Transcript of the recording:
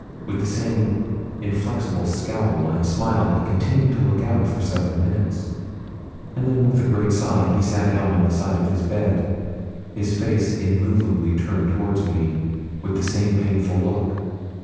With the same inflexible scowl and smile, he continued to look out for several minutes, and then with a great sigh, he sat down on the side of his bed, his face immovably turned towards me, with the same painful look.